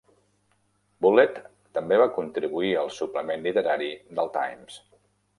Bullett també va contribuir al suplement literari del Times.